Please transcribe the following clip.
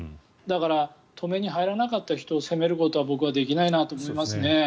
だからと目に入らなかった人を責めるのは僕はできないなと思いますね。